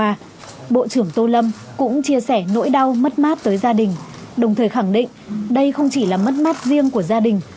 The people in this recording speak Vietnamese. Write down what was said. qua bộ trưởng tô lâm cũng chia sẻ nỗi đau mất mát tới gia đình đồng thời khẳng định đây không chỉ là mất mát riêng của gia đình